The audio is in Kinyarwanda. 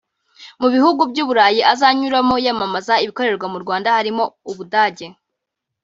Mu bihugu by’Uburayi azanyuramo yamamaza ibikorerwa mu Rwanda harimo u Budage